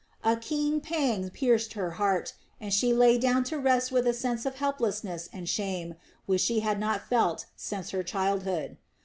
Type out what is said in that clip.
A keen pang pierced her heart, and she lay down to rest with a sense of helplessness and shame which she had not felt since her childhood.